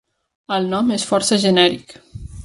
El nom és força genèric.